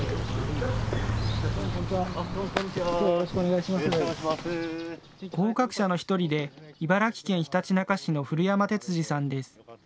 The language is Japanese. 合格者の１人で茨城県ひたちなか市の古山徹司さんです。